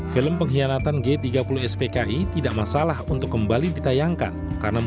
film pengkhianatan g tiga puluh spki tidak masalah untuk kembali ditayangkan